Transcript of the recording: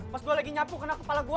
pas gue lagi nyapu kena kepala gue